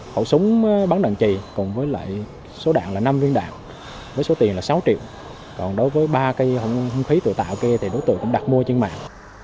hậu súng bắn đạn chi cùng với lại số đạn là năm viên đạn với số tiền là sáu triệu còn đối với ba cái không khí tự tạo kia thì đối tượng cũng đặt mua trên mạng